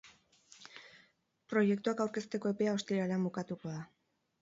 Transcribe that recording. Proiektuak aurkezteko epea ostiralean bukatuko da.